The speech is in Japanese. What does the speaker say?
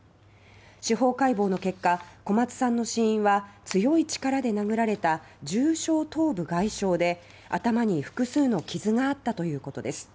司法解剖の結果小松さんの死因は強い力で殴られた重症頭部外傷で頭に複数の傷があったということです。